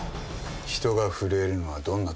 「人が震えるのはどんなときだ？」